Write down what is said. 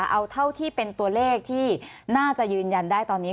เอาเท่าที่เป็นตัวเลขที่น่าจะยืนยันได้ตอนนี้